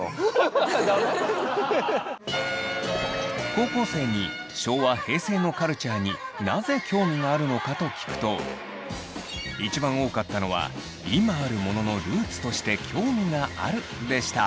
高校生に昭和・平成のカルチャーになぜ興味があるのかと聞くと一番多かったのは「今あるもののルーツとして興味がある」でした。